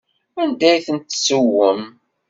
Anda ay tent-tessewwem?